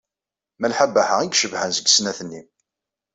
Malḥa Baḥa i icebḥen deg snat-nni.